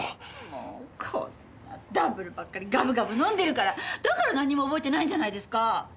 もうこんなダブルばっかりガブガブ飲んでるからだからなんにも覚えてないんじゃないですか！